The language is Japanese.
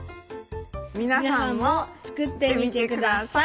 皆さんも作ってみてください。